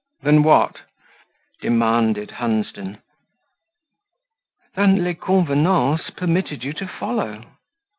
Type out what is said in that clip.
"Than what?" demanded Hunsden. "Than 'les convenances' permitted you to follow."